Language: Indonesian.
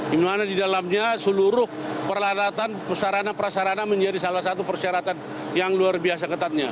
di mana di dalamnya seluruh perlatatan perserana perserana menjadi salah satu perseratan yang luar biasa ketatnya